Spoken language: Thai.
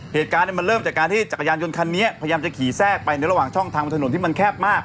เหตุการณ์มันเริ่มจากการที่จักรยานยนต์คันนี้พยายามจะขี่แทรกไปในระหว่างช่องทางบนถนนที่มันแคบมาก